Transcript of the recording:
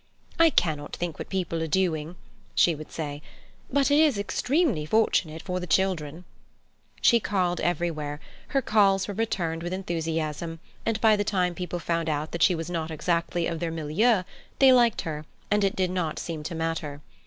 "I cannot think what people are doing," she would say, "but it is extremely fortunate for the children." She called everywhere; her calls were returned with enthusiasm, and by the time people found out that she was not exactly of their milieu, they liked her, and it did not seem to matter.